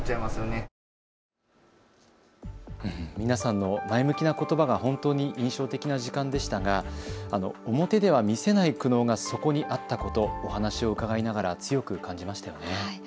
皆さんの前向きなことばが本当に印象的な時間でしたが表では見せない苦悩がそこにあったこと、お話を伺いながら強く感じましたね。